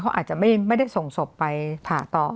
เขาอาจจะไม่ได้ส่งศพไปผ่าต่อ